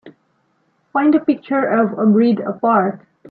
Find a picture of A Breed Apart